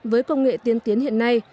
với công nghệ tiên tiến hiện nay